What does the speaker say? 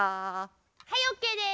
はいオーケーです。